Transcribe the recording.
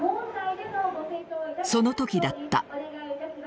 そのときだった。